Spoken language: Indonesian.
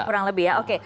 kurang lebih ya oke